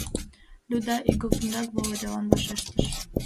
— Люда игылтынрак Володялан вашештыш.